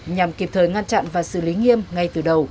nhằm kịp thời ngăn chặn và xử lý nghiêm ngay từ đầu